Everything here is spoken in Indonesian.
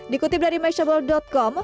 dikutip dari mashable com